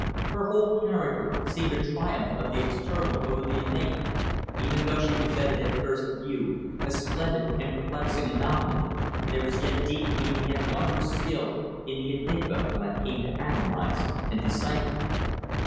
Her whole character seemed a triumph of the external over the innate; even though she presented at first view a splendid and perplexing anomaly, there was yet deep meaning and wondrous skill in the enigma when I came to analyse and decipher it.